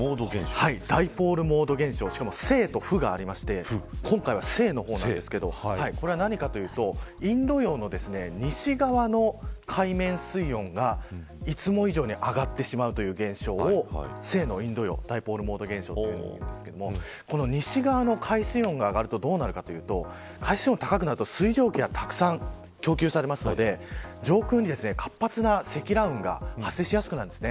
しかも正と負があって今回は正の方なんですけど何かというと、インド洋の西側の海面水温がいつも以上に上がってしまうという現象を正のインド洋ダイポールモード現象と言いますがこの西側の海水温が上がるとどうなるかというと海水温が高くなると、水蒸気がたくさん供給されますので上空に活発な積乱雲が発生しやすくなるんです。